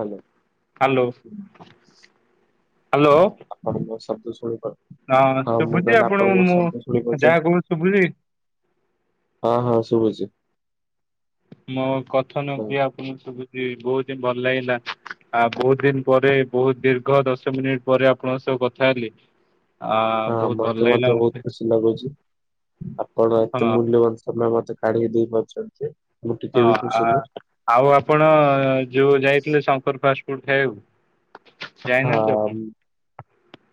Hello. Hello hello. ହଁ ଆପଣ ମୋ ଶବ୍ଦ ଶୁଣିପାରୁ ହଁ ମୁଁ କହିଲି ଆପଣ ଆପଣଙ୍କୁ ମୋ ମୁଁ ଶବ୍ଦ ଶୁଣି ପାରୁଚନ୍ତି? ଯାହା କହୁଛି ଶୁଭୁଛି ହଁ ହଁ ଶୁଭୁଚି। ମୋ କଥା ନୁହୁଁ କି ଆପଣଙ୍କୁ ଶୁବୁଚି ବୋହୁତ ହିଁ ଭଲ ଲାଗିଲା। ଆଉ ବୋହୁତ ଦିନ ପରେ ବୋହୁତ ଦୀର୍ଘ ଦଶ ମିନିଟ ପରେ ଆପଣଙ୍କ ସହ କଥା ହେଲି। ଆ ହଁ ବହୁତ ଭଲ ମତେ ଲାଗିଲା ମଧ୍ୟ ବୋହୁତ ମତେ ଖୁସିି ଲାଗୁଚି। ଆପଣ ହଁ ଏତେ ହଁ ମୂଲ୍ୟବାନ ସମୟ ମତେ କାଢିକି ଦେଇପାରୁଚନ୍ତି। ହଁ ଆ-ଆଉ ଆପଣ ଯୋଉ ଯାଇଥିଲେ ଶଙ୍କର ଫାଷ୍ଟ ଫୁଡ୍ ଖାଇବାକୁ ଯାଇନାହାନ୍ତି ହଁ ଆପଣ?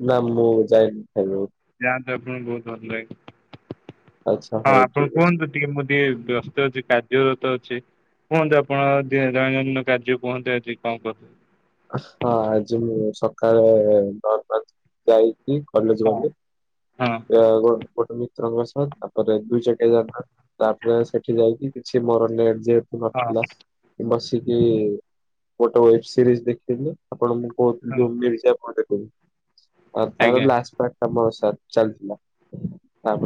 ନାଁ ମୁଁ ଯାଇନି ଖାଇବାକୁ। ଯାଆନ୍ତୁ ଆପଣ ବୋହୁତ ଭଲରେ। ଆଚ୍ଛା ହଁ ହଉ ଠିକ ଆପଣ ଅଛି କୁହନ୍ତୁ ଟିକେ ମୁଁ ଟିକେ ବ୍ୟସ୍ତ ଅଛି କା ର୍ଯ୍ୟରତ ଅଛି କୁହନ୍ତୁ ଆପଣ ଦୈନନ୍ଦିନ କାର୍ଯ୍ୟ କୁହନ୍ତୁ ଆଜି କଣ କରୁ ହଁ ଆଜି ମୁଁ ସକାଳେ [unintelligible] ଯାଇ ଇ କଲେଜ ହଁ ଗଲି ହଁ। [unintelligible] ଗୋଟେ ମିତ୍ରଙ୍କ ସହ ତାପରେ ଦୁଇ ଚକିଆ ଯାନ ତାପରେ ସେଠି ଯାଇକି କିଛି ମୋର ନେଟ ଯେ ଥିଲା ହଁ କି ବସିକି ଗୋଟେ ୱେବସିରିଜ୍ ଦେଖିଲି ଆପଣ ମୁ ହଁ [unintelligible] ତାର ଆଜ୍ଞା ଲାଷ୍ଟ ପାର୍ଟ ମୋର ସ ଚାଲିଥିଲା।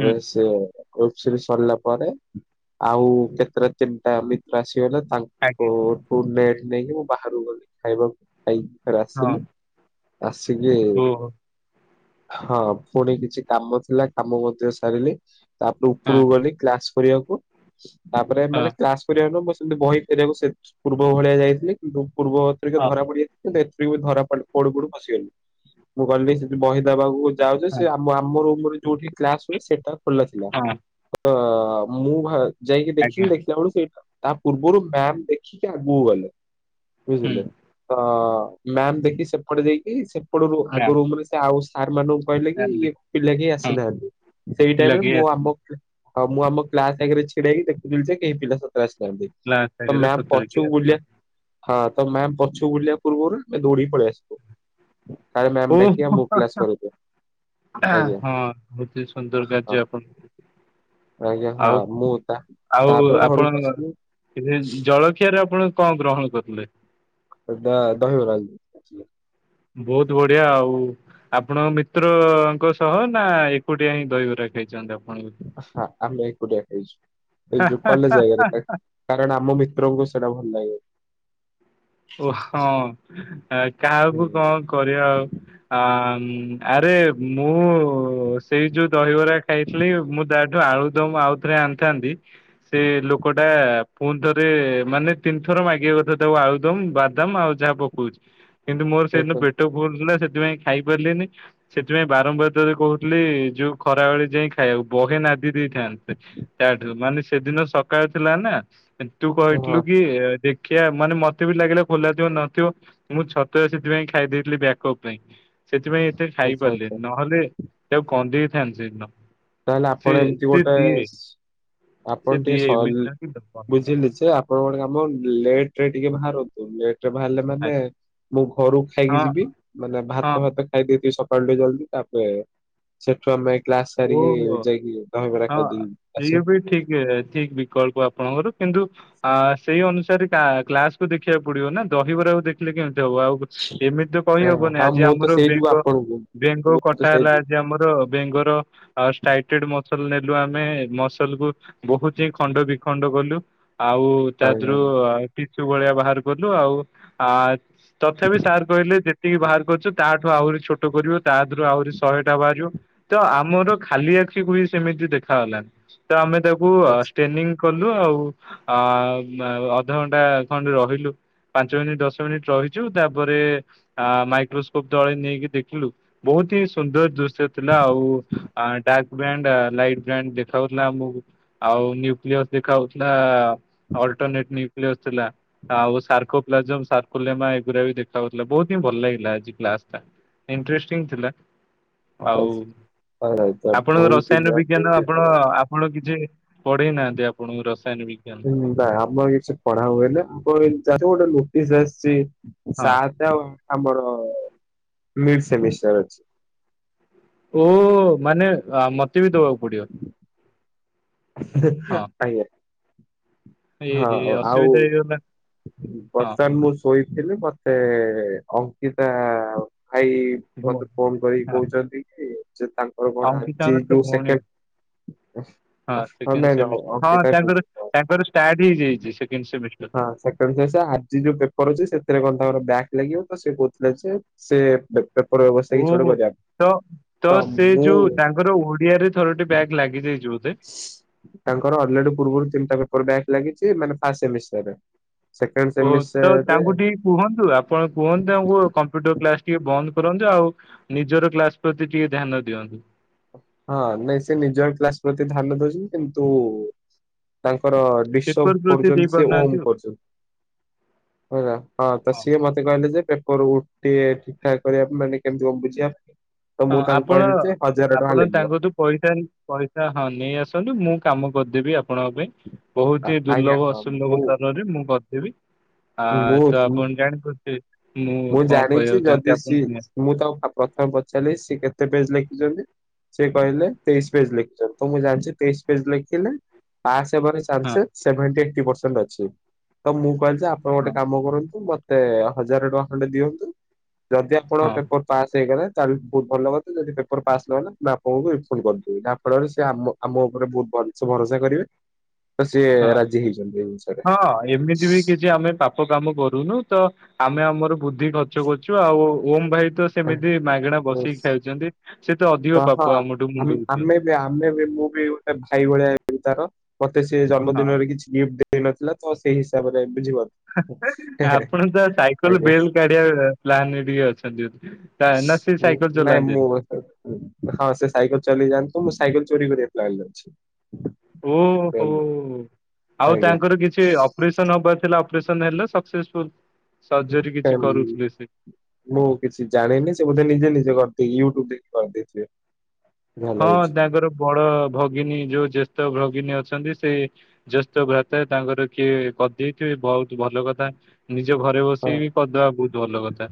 ହୁଁ ସେ ଆକଚ୍ୟୁଲି ସରିଲା ପରେ ଆଉ କେତେଟା ତିନିଟା ମିତ୍ର ଆସିଗଲେ। ଆଜ୍ଞା ତାଙ୍କଠୁ ନେଟ୍ ନେଇକି ମୁଁ ବାହାରକୁ ଗଲି ଖାଇବାକୁ ଖାଇକି ପରେ ହଁ ଆସିଲି ଆସିକି ଓ ହଁ ପୁଣି କିଛି କାମ ଥିଲା କାମ ମଧ୍ୟ ସାରିଲି। ତାପରେ ହଁ ଉପରକୁ ଗଲି କ୍ଲାସ କରିବାକୁ ତାପରେ ହଁ ମାନେ କ୍ଲାସ କରିବା ପାଇଁ ବ ବହି ଫେରେଇ ବାକୁ ସେ ପୂର୍ବ ଭଳିଆ ଯାଇଥିଲି କିନ୍ତୁ ପୂର୍ବ ଧରିକ ହଁ ଧରା ପଡିଯାଇ ନ୍ତ ଏଥିରେ ବି ଧରା ପୋଡୁ ପୋଡୁ ଖସିଗଲିୁ ମୁଁ କହିଲି ସେଠି ବହିଦବାକୁ ଯାଉଚି ହଁ ସେ ଆମ ଆମ ରୁମରେ ଯୋଉଠି କ୍ଲାସ ହୁଏ ସେଟା ଖୋଲା ଥିଲା ହଁ ତ ମୁଁ ଯାଇକି ଆଜ୍ଞା ଦେଖିଲି ଦେଖିଲା ବେଳୁ ସେଇଟା ତା ପୂର୍ବରୁ ମ୍ୟାମ ଦେଖିକି ଆଗକୁ ଗଲେ ହୁଁ ବୁଝିଲେ ତ ମ୍ୟାମ ଦେଖିକି ସେପଟେ ଦେଇକି ସେ ମ୍ୟାମ୍ ଆଗରୁ ଆଉ ସାର୍ ମାନଙ୍କୁ କହିଲେ କି ମ୍ୟାମ୍ ଇଏ ଦେଖ ପିଲା କେହି ହଁ ଆସିନାହାନ୍ତି ସେଇ ପିଲା ଟାଇମରେ କେହି ମୁଁ ଆସିନାହାନ୍ତି ଆମ ହଁ ମୁଁ ଆମ କ୍ଲାସ ଆଗ ଛିଡାକି ଦେଖୁଥିଲି ଯେ କେହି ପିଲା ସ ତ ଆସିନାହାନ୍ତି ପିଲା ତ ଆସିସାରିଲେ ମ୍ୟାମ୍ ସତରେ କେହି ପଛକୁ ବୁଲିଆ ଆସିନାହାନ୍ତି ହଁ ତ ମ୍ୟାମ ପଛକୁ ବୁଲିବା ପୂର୍ବରୁ ଆମେ ଦୌଡିକି ପଳେଇ ଆସିବୁ। କାଳେ ଓ ମ୍ୟାମ ଡାକି ଆମକୁ କ୍ଲାସ କରିିବେ? ହଁ ହେଛି ସୁନ୍ଦର ଗାଜିପଣ ଆଜ୍ଞା ହଁ ମୁଁ ତା ତାପରେ ଘରୁକୁ ଆସିଲି। ତେବେ ଜଳଖିଆରେ ଆପଣ କଣ ଗ୍ରହଣ କରଥିଲେ? ଦ-ଦହିବରା ଜ ବହୁତ ବଢିଆ ଆଉ ଆପଣଙ୍କ ମିତ୍ରଙ୍କ ସହ ନା ଏକୁଟିଆ ହିଁ ଦହିବରା ଖାଇଛନ୍ତି ହଁ ଆମେ ଏକୁଟିଆ ଖାଇଛୁ। ଏ ଯୋଉ କଲେଜ ଆପଣ? ଜାଗାରେ କାରଣ ଆମ ମିତ୍ରଙ୍କୁ ସେଇଟା ଭଲ ଲାଗେ। ଓହଁ କାହାକୁ ହୁଁ କଣ କରିବା ଆଉ ଆ ଆରେ ମୁଁ ସେଇ ଯୋଉ ଦହିବରା ଖାଇଥିଲି ମୁଁ ତାଠୁ ଆଳୁଦମ ଆଉ ରେ ଆଣିଥାନ୍ତି ସେ ଲୋକଟା ପୁଣି ଥରେ ମାନେ ତିନି ଥର ମାଗିବା କଥା ତାକୁ ଆଉ। ବାଦାମ ଆଉ ଯାହା ପକଉଛି କିନ୍ତୁ ମୋର ସେଇଦିନ ଆଚ୍ଛା ପେଟ ଭୁଲ ଥିଲା ସେ ସେଥିପାଇଁ ଖାଇ ପାରିଲିନି ସେଥିପାଇଁ ବାରମ୍ବାର ତର କହୁଥିଲି ଯୋଉ ଖରାବେଳେ ଯାଇ ଖାଇବାକୁ ବହେ ନା ଦେଇଥାନ୍ତେ ତାଠୁ ମାନେ ସେଦିନ ସକାଳ ଥିଲା ନା? ତୁ କହିଥିଲୁ ହଁ କି ଦେଖିବା ମାନେ ମତେ ତେ ବି ଲାଗିଲା ଖୋଲା ଥିବ ନଥିବ ମୁଁ ଛତୁଆ ସେଥିପାଇଁ ଖାଇ ଦେଇଥିଲି ବ୍ୟାକଅପ୍ ପାଇଁ। ସେଥିପାଇଁ ଏତେ ଖାଇ ଆଚ୍ଛା ଆଚ୍ଛା ପାରିଲିନି ନହେଲେ ତାକୁ କନ୍ଦେଇଥାନ୍ତି ସେଇଦିନ ତାହେଲେ ଆପଣ ଏମିତି ଗୋଟେ ଆପଣ ସେ ଟିକେ ଦିଏ ସ ଏମିତି ନୁହଁ କି ଦବନି ବୁଝିଲେ ଯେ ଆପଣଙ୍କ କାମ ଲେଟ [unintelligible] ବାହାରିଲେ ମାନେ ମୁଁ ଘରକୁ ଖାଇକି ହଁ ଯିବି ମାନେ ଭାତ ହଁ ଭାତ ଖାଇ ଦେଇଥିବି ସ ଜଲଦି ତାପରେ ସେଠୁ ଆମେ କ୍ଲାସ ସାରିକି ଓହୋ ଯାଇକି ଦହିବରା ହଁ ଖାଇଦେଇକି ଆସିବା। ଇଏ ବି ଠିକ ଠିକ ବିକଳ୍ପ ଆପଣଙ୍କର କିନ୍ତୁ ଆ ସେଇ ଅନୁସାରେ କା-କ୍ଲାସ କୁ ଦେଖିବାକୁ ପଡିବ ନା ଦହିବରାକୁ ଦେଖିଲେ କେମତି ହ ଆଉ ଏମିତି ତ ହଁ କହିହବନି ହଁ ଆଜି ମୁଁ ତ ଆମର ସେଇ ଯୋଗୁ ବେଙ୍ଗ ଆପଣଙ୍କୁ ବେଙ୍ଗ ମୁଁ ତ କଟା ସେଇ ହେଲା ଯୋଗୁ ଆଜି ଆମର ବେଙ୍ଗ ର ଟାଇଟେଡ ମସଲ ନେଲୁ ଆମେ ମସଲ କୁ ବହୁତ ହିଁ ଖଣ୍ଡ ବି ଖଣ୍ଡ କଲୁ ଆଉ ତା ଆଜ୍ଞା ଦେରୁ ଆଜ୍ଞା। ଟିଚୁ ଭଳିଆ ବାହାର କଲୁ ଆଉ ଆ ତଥାପି ସାର୍ କହିଲେ ଯେତିକି ବାହାର କରିୁଛ ତାଠୁ ଆହୁରି ଛୋଟ କରିବୁ ତା ଦେରୁ ଆହୁରି ଶହେଟା ବାହାରିବ ତ ଆମ ଆମର ଖାଲି ଆଖିକୁ ବି ସେମିତି ଦେଖାଗଲାନି ତ ଆମେ ତାକୁ ଷ୍ଟେନିଂ କଲୁ ଆଉ ଅ ଅଧଘଣ୍ଟା ଖଣ୍ଡେ ରହିଲୁ ପାଞ୍ଚ ମିନିଟ୍ ଦଶ ମିନିଟ ରହିଛୁ ତାପରେ ଆ ମାଇକ୍ରୋସ୍କୋପ ତଳେ ନେଇକି ଦେଖିଲୁ ବହୁତ ବହୁତହି ସୁନ୍ଦର ଦୃଶ୍ୟ ଥିଲା ଆଉ ଡାର୍କ ବ୍ୟାଣ୍ଡ ଲାଇଟ ବ୍ୟାଣ୍ଡ ଦେଖାଉଥିଲାକୁ ଆଉ ନିୟୁକ୍ଲୀୟସ ଦେଖାଉଥିଲା ଅଲଟରନେଟ୍ ନି ଥିଲା ଆଉ ସର୍କୋପ୍ଲାସ୍ମ ସର୍କୋଲେମା ଏଗୁରା ବି ଦେଖାଉଥିଲା ବହୁତ ହିଁ ଭଲ ଲାଗିଲା ଆଜି [unintelligible] ଇନ୍ଟ୍ରେଷ୍ଟିଙ୍ଗ ଥିଲା ଆଉ। ଆପଣଙ୍କ ବହୁତ ହି ରସାୟନ ବଢିଆ ବିଜ୍ଞାନ ବହୁତ ହି ଆପଣ ବଢିଆ। ଆପଣ କିଛି ପଢେଇ ନାହାନ୍ତି ଆପଣଙ୍କୁ ର ହୁଁ ଭାଇ ଆମର କିଛି ପଢା ହଏଲେ ଆମ ଗୋଟେ ନୋଟିସ ଆସିଛି ହଁ ସାତ ଆ ଆମର ମିଡ ସେମିଷ୍ଟାର୍ ଅଛି। ଓ ମାନେ ମତେ ବି ଦବାକୁ ପଡିବ । ଆଜ୍ଞା। ଏ ହଁ ହେ ଆଉ ଅସୁବିଧା ହେଇଗଲା ହଁ ବର୍ତମାନ ମୁଁ ଶୋଇ ଥିଲି ମତେ ଅଙ୍କିତା ଭାଇ ଭଉ- ମତେ ଫୋନ କରିକି ହଁ କହୁଛନ୍ତି କି--? ତାଙ୍କର କଣ ଆଜି ଅଙ୍କିତାଙ୍କର ତ ଯୋଉ ଭଉଣୀ ସେକେଣ୍ଡ ହଁ ଅ ସେକେଣ୍ଡ ଆମେ ନୁହ ସେମିଷ୍ଟର ହଁ ଅଙ୍କିତା କହିଚି। ତାଙ୍କର [unintelligible] ତାଙ୍କର ଷ୍ଟାର୍ଟ ହେଇଯାଇଛି ସେକେଣ୍ଡ ସେମିଷ୍ଟର। ହଁ ସେକେଣ୍ଡ୍ ସେମିଷ୍ଟର, ଆଜି ଯୋଉ ପେପର ଅଛି ସେଥିରେ କଣ ତାଙ୍କର ବ୍ୟାକ୍ ଲାଗିବ ତ, ସେ କହୁଥିଲା ଯେ ସେ ବା ଓହୋ, ତ ତ ସେ ଯୋଉ ତାଙ୍କର ଓଡିଆରେ ଥରଟି ବ୍ୟାଗ ଲାଗିଯାଇଚି ବ ତାଙ୍କର ଅଲରେଡି ପୂର୍ବରୁ ତିନିଟା ପେପର ବ୍ୟାଗ ଲାଗିଛି, ମାନେ ଫାର୍ଷ୍ଟ ସେମିଷ୍ଟରରେ। ଓହୋ, ତ ତାଙ୍କୁ ଟିକେ କୁହନ୍ତୁ, ଆପଣ କୁହନ୍ତୁ ତାଙ୍କୁ କମ୍ପ୍ୟୁଟର କ୍ଲାସ ଟିକେ ବନ୍ଦ କରନ୍ତୁ, ଆଉ ନିଜର କ୍ଲାସ ପ୍ରତି ଟିକେ ଧ୍ୟାନ ଦିଅନ୍ତୁ। ହଁ, ନାଇଁ ସେ ନିଜର କ୍ଲାସ ପ୍ରତି ଧ୍ୟାନ ଦଉଛନ୍ତି, କିନ୍ତୁ ତା ଙ୍କର ଡିଶଭ ପେପର ପ୍ରତି ଦେଇ କରୁଛନ୍ତି ସେ ପାରୁନାହାନ୍ତି ଓମ ଆଉ। କରୁଛନ୍ତି। ହେଲା, ହଁ ତ ସିଏ ମତେ କହିଲେ ଯେ ପେ କରୁ, ଟିକେ ଠିକ ଠାକ କରିବା ପାଇଁ ମାନେ କେମିତି କଣ ବୁଝିବା ପାଇଁ। ତ ମୁଁ ତାଙ୍କୁ କହିଲି ଯେ ହଜାର ଟଙ୍କା ଲା ତାଙ୍କ ତୁ ପଇସା, ପଇସା ହଁ ନେଇ ଆସନ୍ତୁ ମୁଁ କାମ କରିଦେବି। ଆପଣଙ୍କ ପାଇଁ, ବହୁତ ଆ- ହି ଆଜ୍ଞା ଦୁର୍ଲଭ ହଁ ଅସୁଲଭ ସ୍ତରରେ ମୁଁ କରିଦେବି। ମୁଁ ହଁ ତ ମୁଁ ଆପଣ ଜାଣି ପାରୁଥିବେ। ମୁଁ ଜାଣିଛି ଯଦି ସି, ନିଅ। ମୁଁ ତାକୁ ପ୍ରଥମେ ପଚାରିଲି ସିଏ କେତେ ପେଜ ଲେଖିଛନ୍ତି? ସେ କହିଲେ ତେଇଶ ପେଜ ଲେଖିଛନ୍ତି, ତ ମୁଁ ଜାଣିଛି ତେଇଶ ପେଜ ଲେଖିଲେ ପାସ୍ ହେବାର ହଁ ଚାନ୍ସେସ ସେଭେଣ୍ଟି ଏଇଟି ପର୍ଷେଣ୍ଟ ଅଛି, ତ ମୁଁ କହିଲ ଯେ -ଆପଣ ଗୋଟେ ହଁ କାମ କରନ୍ତୁ ମ ମତେ ହଜାର ଟଙ୍କା ଖଣ୍ଡେ ଦିଅନ୍ତୁ, ଯଦି ଆପଣଙ୍କ ହଁ ପେପର ପାସ୍ ହେଇଗଲା ତାହେଲେ ବହୁତ ଭଲ କଥା, ଯଦି ପେପର ପାସ୍ ନହେଲା, ମୁଁ ଆପଣଙ୍କୁ ରିଫଣ୍ଡ କରିଦବି, ଯାହା ଫଳରେ ସେ ଆମ ଆମ ଉପରେ ବହୁତ ଭଲ ସେ ଭରସା କରିବେ। ତ ସିଏ ହଁ, ରାଜି ହେଇଛନ୍ତି ଏ ଜିନିଷରେ। ହଁ, ଏମିତି ବି କିଛି ଆମେ ପାପ କାମ କରୁନୁ। ତ ଆମେ ଆମର ବୁଦ୍ଧି ଖର୍ଚ୍ଚ କରୁଛୁ, ଆଉ ଓମ ଭାଇ ତ ସେମିତି ମାଗଣା ବସେଇକି ଖାଉଛନ୍ତି, ସେ ତ ଅଧିକ ପାପ ଆମଠୁ ଆମ ମୁଣ୍ଡଉଛନ୍ତି। ଆମେ ବି ଆମେ ବି ମୁଁ ବି ଏ ଭାଇ ଭଳିଆ ହେବି ତାର, ମତେ ସେ ହଁ ଜନ୍ମଦିନରେ କିଛି ଗିଫ୍ଟ ଦେଇନଥିଲା, ତ ସେଇ ହିସାବରେ ବୁଝିପାରୁଛ। ହେ ହେ ଆପଣ ତ ସାଇକେଲ ଆଜ୍ଞା ବେଲ କାଢିବା ପ୍ଲାନରେ ଟିକେ ଅଛନ୍ତି ବଧେ। ନାଇଁ, ମୁଁ ହଁ ସେ ସାଇକେଲ ଚଲେଇ ଯାଆନ୍ତି ତମୁଁ ସାଇକେଲ ଚୋରି କରିବା ପ୍ଲାନ୍ ରେ ଅଛି। ଓହୋ, ବେଲ ଆଉ ଆଜ୍ଞା। ତାଙ୍କର କିଛି ଅପରେସନ ହବାର ଥିଲା? ଅପରେଶନ ହେଲା ସକ୍ସେସଫୁଲ। ସର୍ଜରୀ କିଛି କରୁଥିଲେ ସେ ମୁଁ କିଛି ଜାଣିନି, ସେ ବୋଧେ ନିଜେ ନିଜେ କ ୟୁଟ୍ୟୁବ ଦେଖି କରିଦେଇଥିବେ। ଯାହା ହଁ ଲାଗୁଛି। ତାଙ୍କର ବଡ ଭଗିନୀ, ଯୋଉ ଜ୍ୟେଷ୍ଠ ଭଗୀ ନି ଅଛନ୍ତି, ସେ ଜେଷ୍ଠ ଭ୍ରାତା ତାଙ୍କର କିଏ କରିଦେଇଥିବେ, ବହୁତ ଭଲ କଥା ନି ନିଜ ଘରେ ହଁ ବସିକି ବି କରିଦବା ବହୁତ ଭଲ କଥା,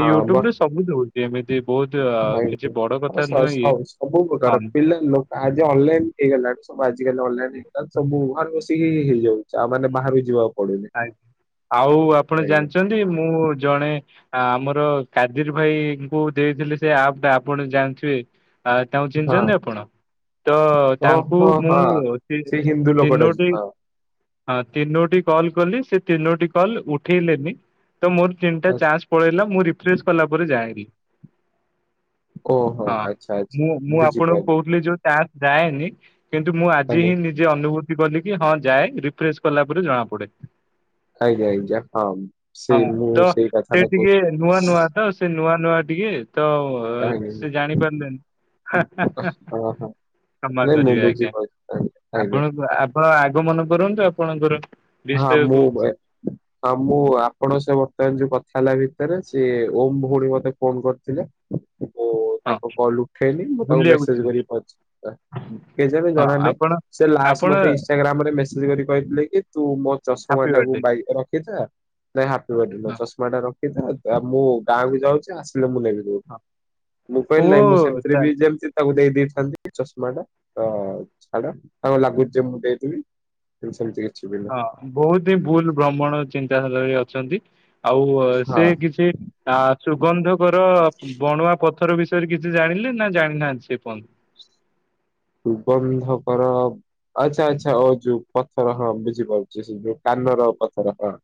ହଁ ବ ୟୁଟ୍ୟୁବ ରେ ସବୁ ଦଉ ଏମିତି ବହୁତ ଆଜ୍ଞା। କିଛି ବଡ ହଁ କଥା ସ ନୁହେଁ ସ ଇଏ। ସବୁ ପ୍ରକାର ହଁ। ପିଲା, ଲୋକ ଆଜି ଅନଲାଇନ ହେଇଗଲାଣି, ସବୁ ଆଜିକାଲି ଅନଲାଇନ ହେଇଗଲା, ସବୁ ଘରେ ବ କି ହେଇଯାଉ ଆଜ୍ଞା, ଆଉ ଆପଣ ଆଜ୍ଞା। ଜାଣିଛନ୍ତି ମୁଁ ଜଣେ ଆମର କାଜିର ଭାଇଙ୍କୁ ଦେଇଥିଲେ ସେ ଆପ୍ ଟା, ଆପଣ ଜାଣିଥିବେ। ଆଉ ତାଙ୍କୁ ଚିହ୍ନିଛନ୍ତି ହଁ ଆପଣ? ତ ତାଙ୍କୁ ଓହୋ ହଁ ହଁ ମୁଁ ତି ସେ ହିନ୍ଦୁ ଲୋକଟା ଯ- ତିନୋଟି ହଁ ହଁ ତିନୋଟି କଲ କଲି ସେ ତିନୋଟି କଲ ଉଠେଇଲେନି। ତ ମୋର ତିନିଟା ଆଚ୍ଛା। ଚାନ୍ସ ପଳେଇଲା ମୁଁ ରିଫ୍ରେସ କଲା ପରେ ଯାଇଲି। ଓହୋ ହଁ ଆଚ୍ଛା ଆଚ୍ଛା ମୁଁ ମୁଁ ଆପଣଙ୍କୁ ବୁଝିପାରିଲି କହୁଥିଲି ଯୋଉ ଟାର ଯାଏନି କିନ୍ତୁ ମୁଁ ଆଜି ଆଜ୍ଞା ହିଁ ନିଜେ ଅନୁଭୂତି କଲି କି ହଁ ଯାଏ। ପ୍ରେସ୍ କଲା ପରେ ଜଣା ପଡେ। ଆଜ୍ଞା ଆଜ୍ଞା ହଁ ହଁ ସେଇ ମୁଁ ତ ସେଇ ସେ କଥାଟା ଟିକେ ନୂଆ କହୁଥିଲି। ନୂଆ ତ ସେ ନୂଆ ନୁଆ ଟିକେ ତ ଆଜ୍ଞା ସେ ଜାଣିପାରିଲେନି। ହଁ ହଁ କ୍ଷମା ନାଇଁ ମୁଁ କରିବେ ଆଜ୍ଞା, ବୁଝିପାରୁଛି ଆଜ୍ଞା ଆପଣ ଆଜ୍ଞା ଆପଣ ଆଗ ମନ କରନ୍ତୁ। ଆପଣଙ୍କର ହଁ ମୁଁ ବିଷୟକୁ ହଁ ମୁଁ ଆପଣ ସେ ବର୍ତ୍ତମାନ ଯୋଉ କଥା ହେଲା ବି ସେ ଓମ ଭଉଣୀ ମତେ ଫୋନ୍ କରିଥିଲେ। ହ [inaudible] ମୁଁ ତାଙ୍କ କଲ ଉଠେଇନି ମୁଁ ତାଙ୍କୁ ମେସେଜ କରିକି କହୁଛି। ନିଜକୁ ହଁ ଜଣା ନାହିଁ ଆପଣ ସେ ଲା ଆପଣ ମତେ ଇନଷ୍ଟାଗ୍ରାମ ରେ ମେସେଜ୍ କରି କହିଥିଲେ କି? ତୁ ମୋ ଚଷମା ହାପି ବାର୍ଥଡେ। ଟାକୁ ବାଇ ରଖିଥା ନାଇଁ ହାପି ବାଥ ଡେ ନୁହେଁ ହଁ ଚଷମା ଟା ର ମୁଁ ଗାଁକୁୁ ଯାଉଛି ଆସିଲେ ମୁଁ ନେଇବି। ହଁ ମୋବାଇଲ ଓ ନାଇଁ ମୁଁ ସେମିତିରେ ବି ତା- ଯେମତି ତାକୁ ଦେଇ ଦେଇଥାନ୍ତି ଚଷମା ଟା ତ ଛାଡ କଣ ଲାଗୁଛି? ଯେ ମୁଁ ଦେଇଥିଲି କିନ୍ତୁ ସେମିତି କି ହଁ ବହୁତ ହିଁ ଭୁଲ ଭ୍ରମଣ ଚିନ୍ତାଧାରରେ ଅଛନ୍ତି। ଆଉ ସେ ହଁ କିଛି ଆ ସୁଗନ୍ଧକର ବଣୁଆ ପଥର ବି। କିଛି ଜାଣିଲେ ନା ଜାଣିନାହାନ୍ତି ସେପନନ୍ତ। ରୁବନ୍ଧ କର। ଆଛା ଆଚ୍ଛା ଓ ଯୋଉ ପଥର ହଁ ବୁଝିପାରୁଛିସେ ଯୋଉ କାନର ପଥର ହଁ।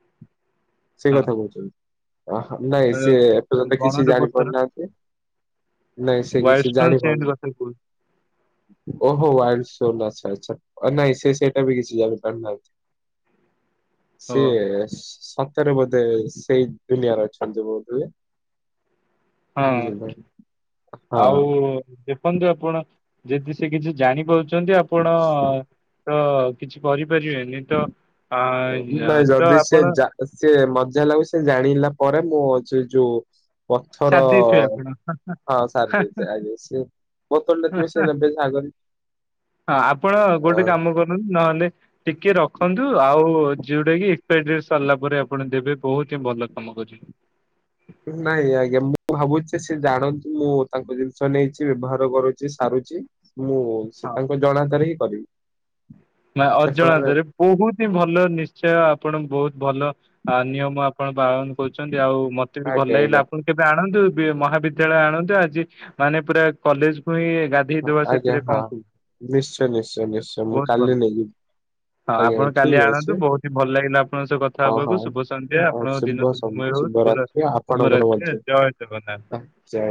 ହ ସେଇ କଥା କହୁଛନ୍ତି। ନାଇଁ ଅ, ସେ ଏପର୍ଯ୍ୟନ୍ତ କିଛି ବଣରେ ଜାଣି ପଥର ପାରୁନାହାନ୍ତି। ନାଇଁ ସେ କିଛି ୱାଇଷ୍ଟୋନ ସେଣ୍ଡ ଜାଣିପାରୁନି। କଥା କହୁଛି। ଓହୋ ୱାଇଲ ଷ୍ଟୋନ ଆଛା ଆଛା ନାଇଁ ସେ ସେଇଟା ବି କିଛି ଜାଣିପାରୁନାହାନ୍ତି। [inaudible] ସିଏ ସତରେ ବୋଧେ ସେଇ ଦୁନିଆରେ ଅଛନ୍ତି ବୋଧ ହଏ। ହଁ, ଆଉ, ହଁ। ଦେଖନ୍ତୁ ଆପଣ ଯଦି ସେ କିଛି ଜାଣିପାରୁଚନ୍ତି ଆପଣ ତ କିଛି କରି ପାରିବେନି ତ, ଆ ଆଇ ତ ଆପଣ ଯାହା ଲୁ ସେ ଜାଣିଲା ପରେ ମୁଁ ଯୋ ଶରିଦେଇଥିବେ ଆପଣ ହଁ ହଁ ସାରି ହଁ ଦେଇଛି ହଁ ହଁ। ଆଜ୍ଞା ସେ ବୋତଲ ଟା ହଁ ଥିବ ସେ ନେବେ ଆଗରେ ହଁ, ଆପଣ ଆ ଗୋଟେ କାମ କରନ୍ତୁ ନହେଲେ ଟିକେ ରଖନ୍ତୁ ଆଉ ଯୋଉଟା କି ଏକ୍ପପାରେ ଡେଟ ସରିଲା ପରେ ଆପଣ ଦେବେ ବହୁତ ହିଁ ଭଲ କାମ କରିବ। [inaudible] ନାଇଁ ଆଜ୍ଞା ମୁଁ ଭାବୁଛି ସେ ଜାଣନ୍ତିୁ। ମୁଁ ତାଙ୍କ ଜିନିଷ ନେଇଛି ବ୍ୟବହାର କରୁଛି ସାରୁ ଚି ମୁଁ ସେ ହଁ। ତାଙ୍କ ଜଣାତରେ ହିଁ କରିବି। ନା ସେ ଫଳରେ ଅଜଣତରେ ବହୁତ ହିଁ ଭଲ ନିଶ୍ଚୟ ଆପଣଙ୍କୁ ବହୁତ ଭଲ ନିୟମ ଆପଣ ପାଳନ କରୁଛନ୍ତି। ଆଉ ମତେ ଆଜ୍ଞା ବି ଭଲ ଲାଗିଲା ଆଜ୍ଞା ଆପଣ କେବେ ଆଣନ୍ତୁ। ମହାବିଦ୍ୟାଳୟ ଆଣନ୍ତୁ ଆଜି ମାନେ ପୁରା କଲେଜକୁ ହିଁ। ଗାଧେଇ ହଁ ଦବା ଆଜ୍ଞା ସେଥିରେ ହଁ କଣ କହୁଚୁ ନିଶ୍ଚୟ ନିଶ୍ଚୟ ନିଶ୍ଚୟ ମୁଁ ବହୁତ ଭଲ। କାଲି ନେଵି। ହଁ ଆପଣ କାଲି ଆଣନ୍ତୁ ବହୁତ ହିଁ ଭଲ ଲାଗିଲା ଆପଣଙ୍କ ସହ କଥା ହଁ ହଁ। ହବାକୁ ଶୁଭ ସନ୍ଧ୍ୟା ହଁ ଆପଣଙ୍କ ଦିନ ଶୁଭ ସନ୍ଧ୍ୟା ଭଲରହୁ। ଶୁଭରାତ୍ରି ର ଆପଣଙ୍କର ଅ ମଧ୍ୟ ଜୟ ବନା [unintelligible] ଜୟ